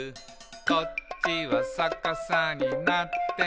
「こっちはさかさになっていて」